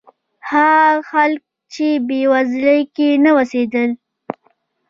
هغه خلک چې بېوزلۍ کې نه اوسېدل.